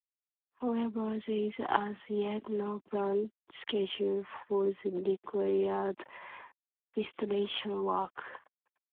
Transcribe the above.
However, there is as yet no planned schedule for the required restoration work.